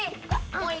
oh bukan lah